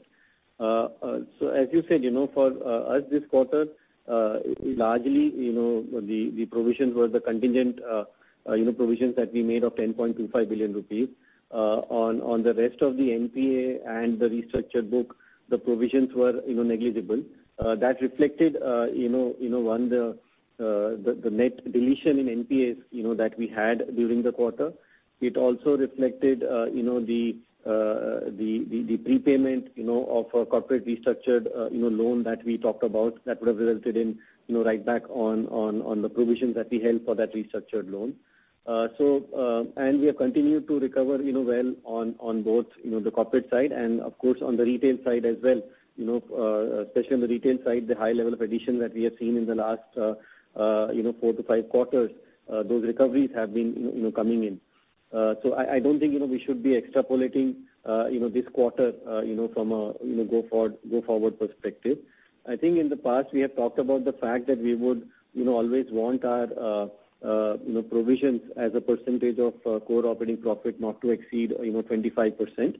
As you said, you know, for us this quarter, largely, you know, the provisions were the contingent, you know, provisions that we made of 10.25 billion rupees. On the rest of the NPA and the restructured book, the provisions were, you know, negligible. That reflected, you know, one, the net deletion in NPAs, you know, that we had during the quarter. It also reflected, you know, the prepayment, you know, of our corporate restructured, you know, loan that we talked about that would have resulted in, you know, write back on the provisions that we held for that restructured loan. We have continued to recover, you know, well on both, you know, the corporate side and of course on the retail side as well. You know, especially on the retail side, the high level of addition that we have seen in the last, you know, 4-5 quarters, those recoveries have been, you know, coming in. I don't think, you know, we should be extrapolating, you know, this quarter, you know, from a go-forward perspective. I think in the past we have talked about the fact that we would, you know, always want our, you know, provisions as a percentage of core operating profit not to exceed, you know, 25%.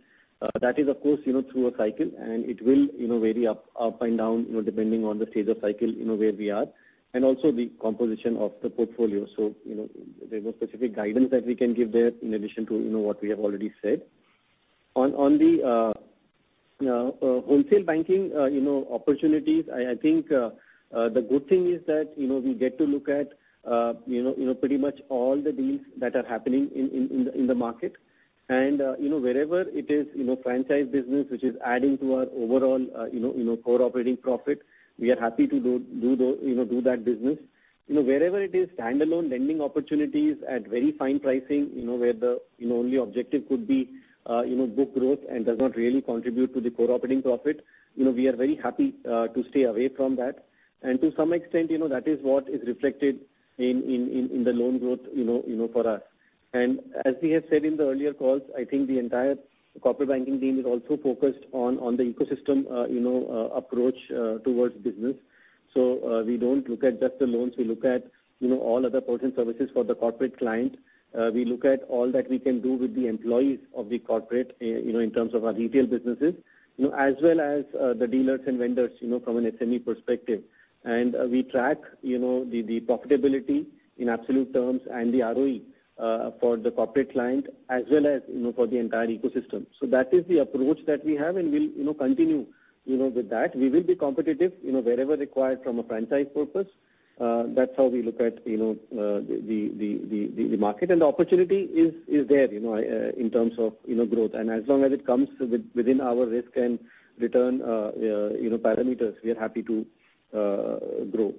That is, of course, you know, through a cycle and it will, you know, vary up and down, you know, depending on the stage of cycle, you know, where we are, and also the composition of the portfolio. You know, there's no specific guidance that we can give there in addition to, you know, what we have already said. On the wholesale banking opportunities, I think the good thing is that, you know, we get to look at, you know, pretty much all the deals that are happening in the market. Wherever it is, you know, franchise business which is adding to our overall, you know, core operating profit, we are happy to do the, you know, do that business. You know, wherever it is standalone lending opportunities at very fine pricing, you know, where the, you know, only objective could be, book growth and does not really contribute to the core operating profit, you know, we are very happy to stay away from that. To some extent, you know, that is what is reflected in the loan growth, you know, you know, for us. As we have said in the earlier calls, I think the entire corporate banking team is also focused on the ecosystem approach towards business. We don't look at just the loans. We look at, you know, all other potent services for the corporate client. We look at all that we can do with the employees of the corporate, you know, in terms of our retail businesses, you know, as well as the dealers and vendors, you know, from an SME perspective. We track, you know, the profitability in absolute terms and the ROE for the corporate client as well as, you know, for the entire ecosystem. That is the approach that we have and we'll, you know, continue, you know, with that. We will be competitive, you know, wherever required from a franchise purpose. That's how we look at, you know, the market. The opportunity is there, you know, in terms of, you know, growth. As long as it comes within our risk and return, you know, parameters, we are happy to grow.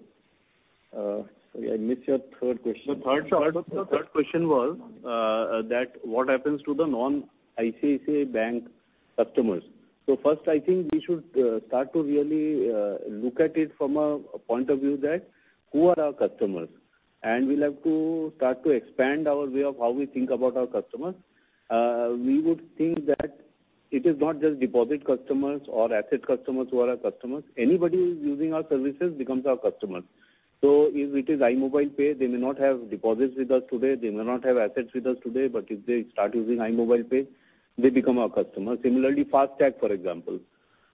Sorry, I missed your third question. The third question was, that what happens to the non-ICICI Bank customers? First, I think we should start to really look at it from a point of view that who are our customers? We'll have to start to expand our way of how we think about our customers. We would think that it is not just deposit customers or asset customers who are our customers. Anybody who's using our services becomes our customer. If it is iMobile Pay, they may not have deposits with us today, they may not have assets with us today, but if they start using iMobile Pay, they become our customer. Similarly, FASTag, for example.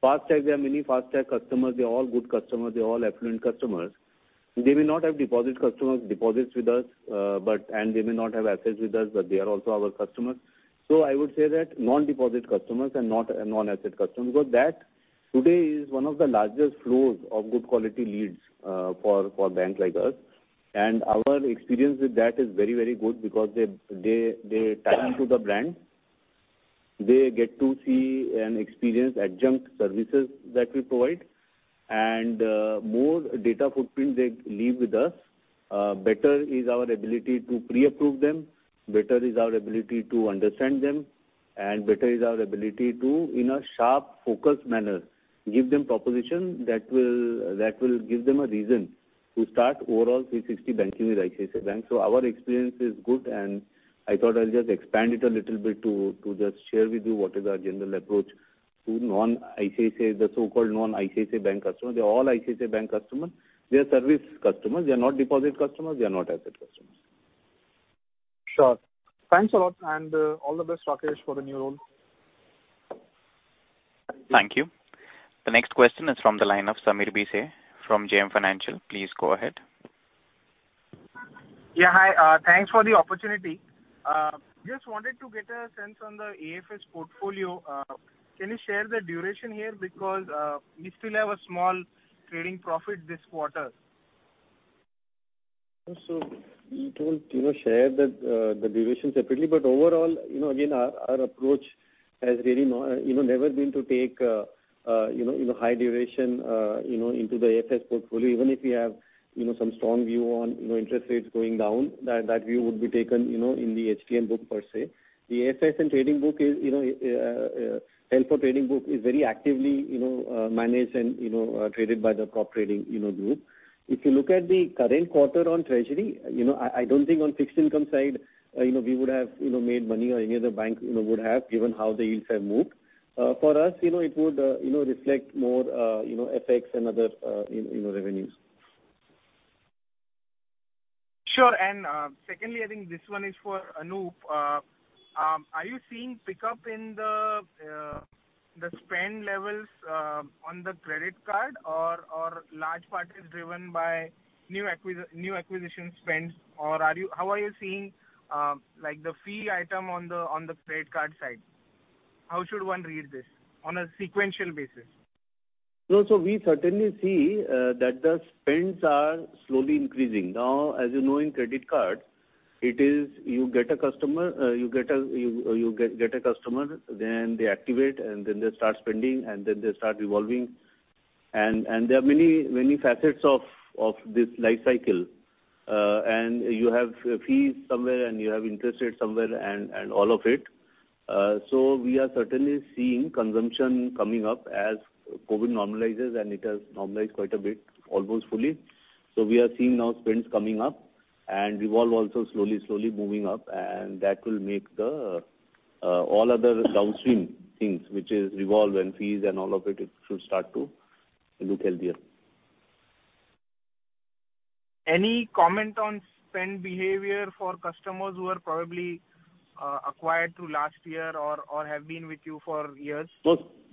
FASTag, there are many FASTag customers, they're all good customers, they're all affluent customers. They may not have deposits with us, but they may not have assets with us, but they are also our customers. I would say that non-deposit customers and not non-asset customers, because that today is one of the largest flows of good quality leads, for banks like us. Our experience with that is very, very good because they tie into the brand. They get to see and experience adjunct services that we provide. More data footprint they leave with us, better is our ability to pre-approve them, better is our ability to understand them, and better is our ability to, in a sharp, focused manner, give them proposition that will give them a reason to start overall three sixty banking with ICICI Bank. Our experience is good, and I thought I'll just expand it a little bit to just share with you what is our general approach to non-ICICI, the so-called non-ICICI Bank customers. They're all ICICI Bank customers. They are service customers. They are not deposit customers. They are not asset customers. Sure. Thanks a lot, and all the best, Rakesh, for the new role. Thank you. Thank you. The next question is from the line of Sameer Bhise from JM Financial. Please go ahead. Yeah, hi, thanks for the opportunity. Just wanted to get a sense on the AFS portfolio. Can you share the duration here because we still have a small trading profit this quarter. We don't, you know, share the duration separately, but overall, you know, again, our approach has really never been to take, you know, high duration, you know, into the AFS portfolio even if we have, you know, some strong view on, you know, interest rates going down, that view would be taken, you know, in the HTM book per se. The AFS and trading book is, you know, very actively, you know, managed and, you know, traded by the prop trading, you know, group. If you look at the current quarter on treasury, you know, I don't think on fixed income side, you know, we would have, you know, made money or any other bank, you know, would have given how the yields have moved. For us, you know, it would, you know, reflect more, you know, revenues. Sure. Secondly, I think this one is for Anup. Are you seeing pickup in the spend levels on the credit card or large part is driven by new acquisition spends? Or are you how are you seeing like the fee item on the credit card side? How should one read this on a sequential basis? No, we certainly see that the spends are slowly increasing. Now, as you know, in credit card, it is you get a customer, then they activate, and then they start spending, and then they start revolving. There are many facets of this life cycle. You have fees somewhere and you have interest rates somewhere and all of it. We are certainly seeing consumption coming up as COVID normalizes, and it has normalized quite a bit, almost fully. We are seeing now spends coming up and revolve also slowly moving up, and that will make all other downstream things which is revolve and fees and all of it should start to look healthier. Any comment on spend behavior for customers who are probably acquired through last year or have been with you for years?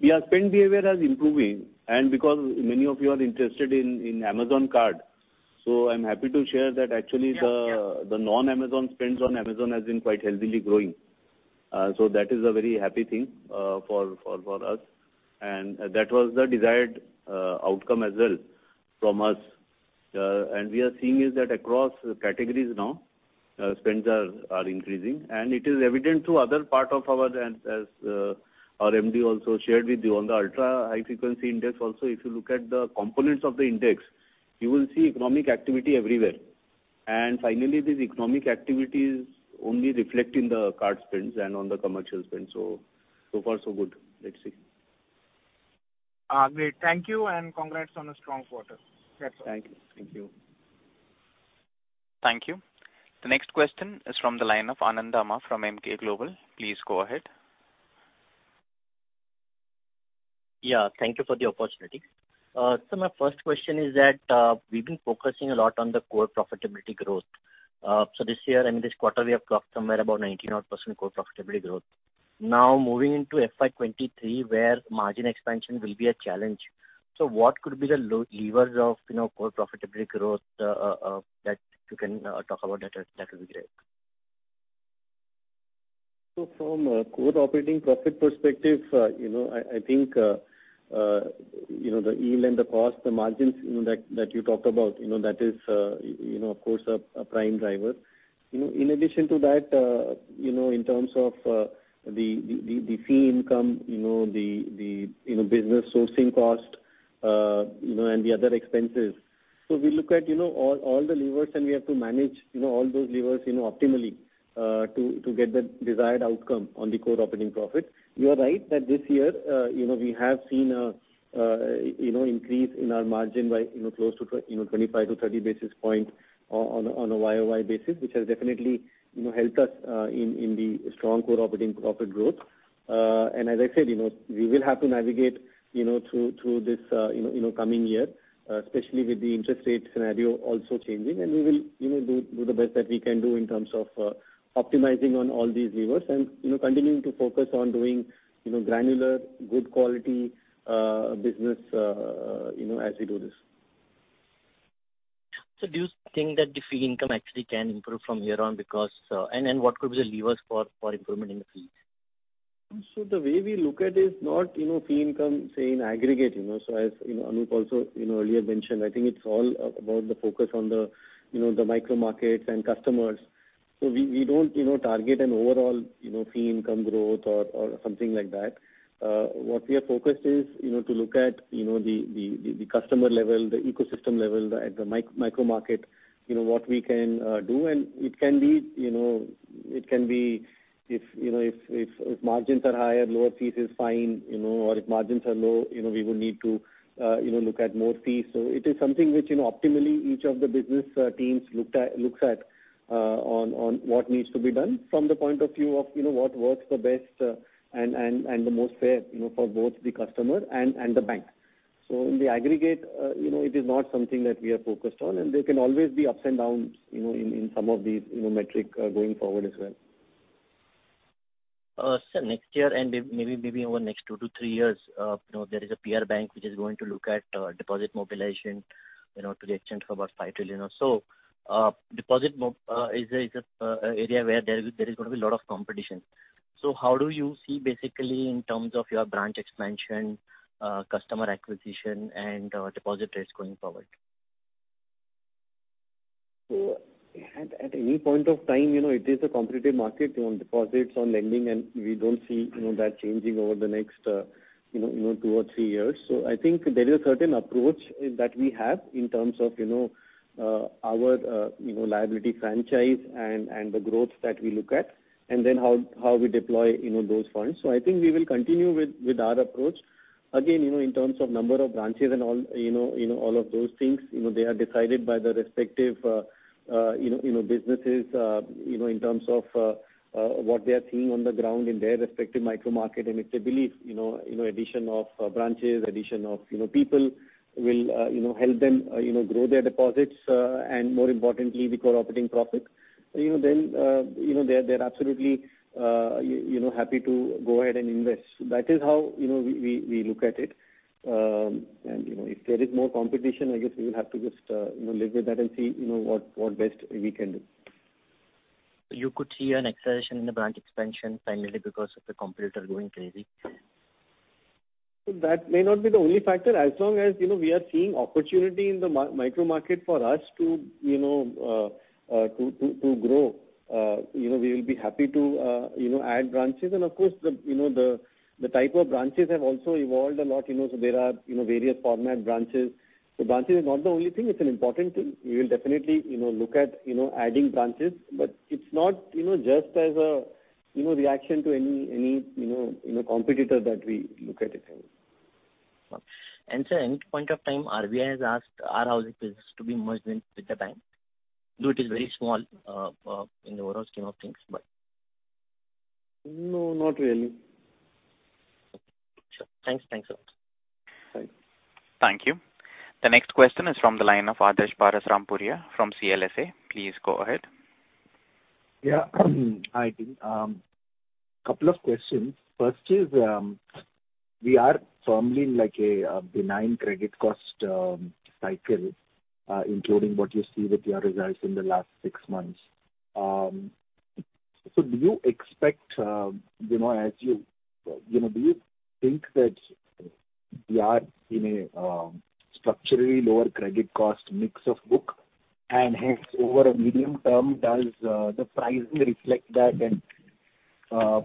Yeah, spending behavior is improving and because many of you are interested in Amazon card, I'm happy to share that actually. Yeah, yeah. The non-Amazon spends on Amazon has been quite healthily growing. That is a very happy thing for us and that was the desired outcome as well from us. We are seeing that across categories now spends are increasing and it is evident through other parts of our, as our MD also shared with you on the ultra-high frequency index. Also, if you look at the components of the index, you will see economic activity everywhere. These economic activities only reflect in the card spends and on the commercial spends. So far so good. Let's see. Great. Thank you and congrats on a strong quarter. That's all. Thank you. Thank you. Thank you. The next question is from the line of Anand Dama from Emkay Global Financial Services. Please go ahead. Yeah, thank you for the opportunity. My first question is that we've been focusing a lot on the core profitability growth. This year and this quarter we have clocked somewhere about 90-odd% core profitability growth. Now, moving into FY 2023 where margin expansion will be a challenge, what could be the levers of, you know, core profitability growth that you can talk about that would be great. From a core operating profit perspective, you know, I think, you know, the yield and the cost, the margins, you know, that you talked about, you know, that is, you know, of course a prime driver. You know, in addition to that, you know, in terms of, the fee income, you know, the business sourcing cost, you know, and the other expenses. We look at, you know, all the levers, and we have to manage, you know, all those levers, you know, optimally, to get the desired outcome on the core operating profit. You are right that this year, you know, we have seen, you know, increase in our margin by, you know, close to 25-30 basis points on a year-over-year basis, which has definitely, you know, helped us in the strong core operating profit growth. As I said, you know, we will have to navigate, you know, through this, you know, coming year, especially with the interest rate scenario also changing. We will, you know, do the best that we can do in terms of, optimizing on all these levers and, you know, continuing to focus on doing, you know, granular good quality, business, you know, as we do this. Do you think that the fee income actually can improve from here on, and what could be the levers for improvement in the fee? The way we look at is not, you know, fee income, say in aggregate, you know. As, you know, Anup also, you know, earlier mentioned, I think it's all about the focus on the, you know, the micro markets and customers. We don't, you know, target an overall, you know, fee income growth or something like that. What we are focused is, you know, to look at, you know, the customer level, the ecosystem level at the micro market, you know, what we can do. It can be, you know, it can be if, you know, margins are higher, lower fees is fine, you know, or if margins are low, you know, we would need to, you know, look at more fees. It is something which, you know, optimally each of the business teams looks at on what needs to be done from the point of view of, you know, what works the best, and the most fair, you know, for both the customer and the bank. In the aggregate, you know, it is not something that we are focused on, and there can always be ups and downs, you know, in some of these, you know, metric going forward as well. Next year and maybe over next two to three years, you know, there is a peer bank which is going to look at deposit mobilization, you know, to the extent of about 5 trillion or so. Deposit mobilization is an area where there is gonna be a lot of competition. How do you see basically in terms of your branch expansion, customer acquisition and deposit rates going forward? At any point of time, you know, it is a competitive market on deposits, on lending, and we don't see, you know, that changing over the next two or three years. I think there is a certain approach that we have in terms of, you know, our liability franchise and the growth that we look at, and then how we deploy, you know, those funds. I think we will continue with our approach. Again, you know, in terms of number of branches and all, you know, all of those things, you know, they are decided by the respective businesses, you know, in terms of what they are seeing on the ground in their respective micro market. If they believe, you know, addition of branches, addition of people will help them grow their deposits and more importantly, the core operating profit, you know, then they're absolutely happy to go ahead and invest. That is how we look at it. If there is more competition, I guess we will have to just live with that and see what best we can do. You could see an acceleration in the branch expansion primarily because of the competitor going crazy. That may not be the only factor. As long as, you know, we are seeing opportunity in the micro market for us to, you know, to grow, you know, we will be happy to, you know, add branches. Of course, you know, the type of branches have also evolved a lot, you know, so there are, you know, various format branches. The branches is not the only thing, it's an important thing. We will definitely, you know, look at, you know, adding branches, but it's not, you know, just as a, you know, reaction to any, you know, competitor that we look at it as. Sir, at any point of time RBI has asked our housing business to be merged in with the bank, though it is very small in the overall scheme of things, but. No, not really. Okay. Sure. Thanks. Thanks, sir. Bye. Thank you. The next question is from the line of Adarsh Parasrampuria from CLSA. Please go ahead. Yeah. Hi, team. Couple of questions. First is, we are firmly in like a benign credit cost cycle, including what you see with your results in the last six months. Do you expect, you know, as you know, do you think that we are in a structurally lower credit cost mix of book and hence over a medium term does the pricing reflect that and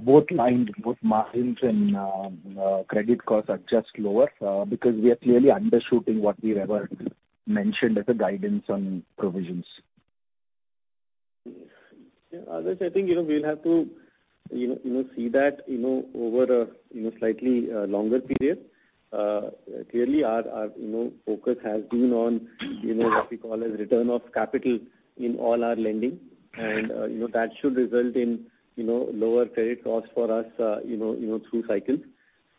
both lines, both margins and credit costs are just lower because we are clearly undershooting what we've ever mentioned as a guidance on provisions? Yeah, Adarsh, I think you know we'll have to you know see that you know over a you know slightly longer period. Clearly our focus has been on you know what we call as return of capital in all our lending. That should result in you know lower credit costs for us you know through cycles.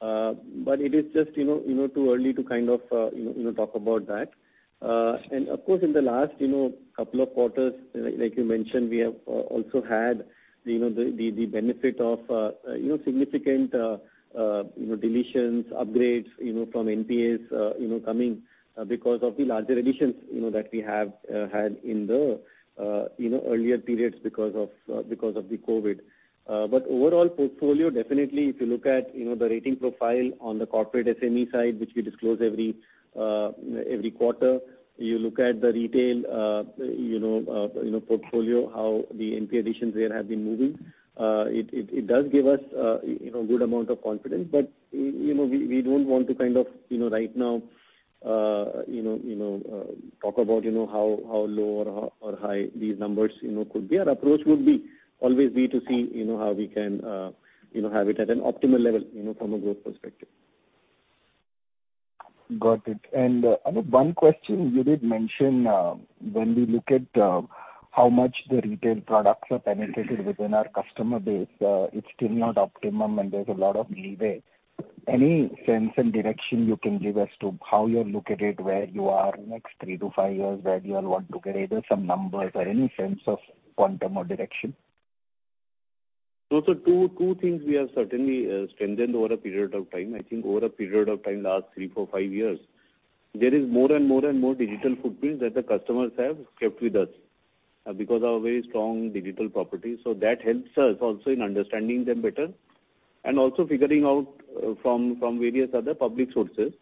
It is just you know too early to kind of you know talk about that. Of course, in the last couple of quarters, like you mentioned, we have also had the benefit of significant deletions, upgrades from NPAs coming because of the larger additions that we have had in the earlier periods because of the COVID. Overall portfolio, definitely if you look at the rating profile on the corporate SME side, which we disclose every quarter, you look at the retail portfolio, how the NPA additions there have been moving, it does give us good amount of confidence. You know, we don't want to kind of, you know, right now, you know, talk about, you know, how low or high these numbers, you know, could be. Our approach would always be to see, you know, how we can, you know, have it at an optimal level, you know, from a growth perspective. Got it. One question you did mention, when we look at how much the retail products are penetrated within our customer base, it's still not optimum and there's a lot of leeway. Any sense and direction you can give as to how you look at it, where you are next three to five years, where you all want to get, either some numbers or any sense of quantum or direction? Those are two things we have certainly strengthened over a period of time. I think over a period of time, last three, four, five years, there is more and more and more digital footprint that the customers have kept with us because of our very strong digital properties. So that helps us also in understanding them better and also figuring out from various other public sources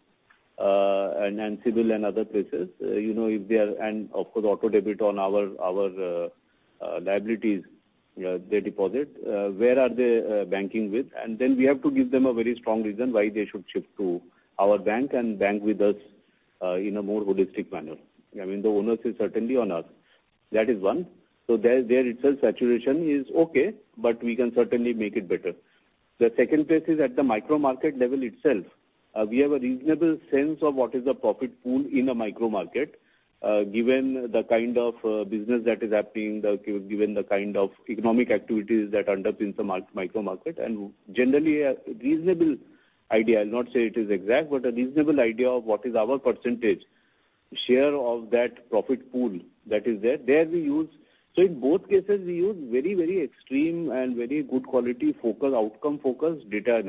and CIBIL and other places, you know, if they are and of course, auto debit on our liabilities, they deposit where are they banking with. Then we have to give them a very strong reason why they should shift to our bank and bank with us in a more holistic manner. I mean, the onus is certainly on us. That is one. There itself saturation is okay, but we can certainly make it better. The second place is at the micro market level itself. We have a reasonable sense of what is the profit pool in a micro market, given the kind of business that is happening, given the kind of economic activities that underpins the micro market, and generally a reasonable idea, I'll not say it is exact, but a reasonable idea of what is our percentage share of that profit pool that is there. There we use in both cases very extreme and very good quality focus, outcome focus data and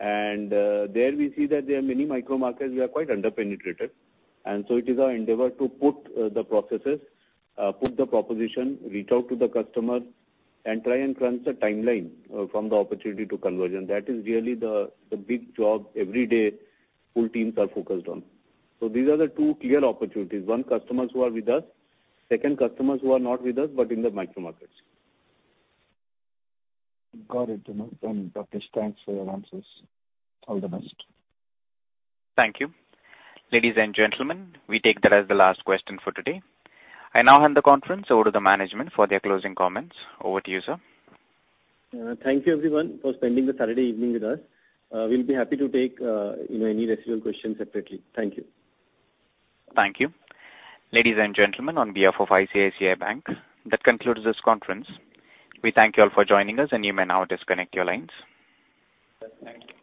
analytics. There we see that there are many micro markets we are quite under-penetrated. It is our endeavor to put the proposition, reach out to the customer, and try and crunch the timeline from the opportunity to conversion. That is really the big job. Every day, full teams are focused on. These are the two clear opportunities. One, customers who are with us. Second, customers who are not with us, but in the micro markets. Got it. You know, done. Rakesh Jha, thanks for your answers. All the best. Thank you. Ladies and gentlemen, we take that as the last question for today. I now hand the conference over to the management for their closing comments. Over to you, sir. Thank you everyone for spending the Saturday evening with us. We'll be happy to take, you know, any residual questions separately. Thank you. Thank you. Ladies and gentlemen, on behalf of ICICI Bank, that concludes this conference. We thank you all for joining us, and you may now disconnect your lines. Thank you.